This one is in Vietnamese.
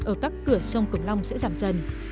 ở các cửa sông cửu long sẽ giảm dần